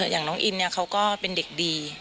อย่างน้องอินเขาก็เป็นเด็กดี